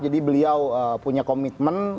jadi beliau punya komitmen